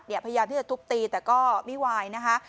พยายามที่จะทุบตีแต่ก็ไม่วายนะคะ